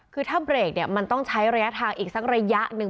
คือถ้าเบรกเนี่ยมันต้องใช้ระยะทางอีกสักระยะหนึ่ง